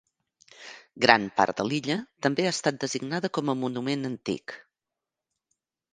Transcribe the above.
Gran part de l'illa també ha estat designada com a monument antic.